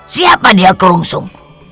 siapa dia krungsum